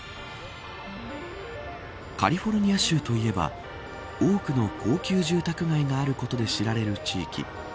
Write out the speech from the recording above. カリフォルニア州といえば多くの高級住宅街があることで知られる地域。